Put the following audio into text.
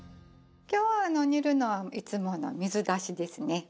今日煮るのはいつもの水だしですね。